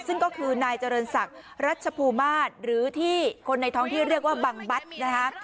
ซึ่งก็คือนายเจริญศักดิ์รัชภูมิมาศหรือที่คนในท้องที่เรียกว่าบังบัตรนะคะ